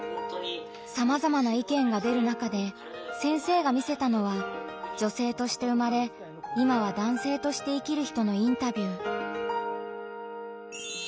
さまざまな意見が出る中で先生が見せたのは女性として生まれ今は男性として生きる人のインタビュー。